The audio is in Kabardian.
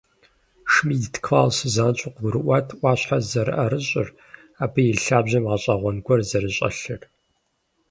Шмидт Клаус занщӀэу къыгурыӀуат Ӏуащхьэр зэрыӀэрыщӀыр, абы и лъабжьэм гъэщӀэгъуэн гуэр зэрыщӀэлъыр.